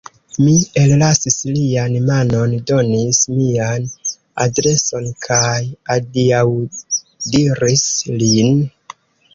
Mi ellasis lian manon, donis mian adreson kaj adiaŭdiris lin.